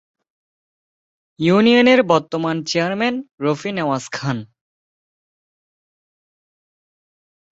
ইউনিয়নের বর্তমান চেয়ারম্যান রফি নেওয়াজ খান।